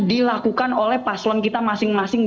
dilakukan oleh paslon kita masing masing